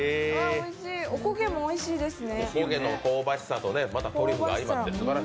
お焦げもおいしいですね。